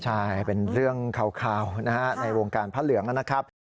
ใช่เป็นเรื่องข่าวในวงการพระเหลืองนะครับ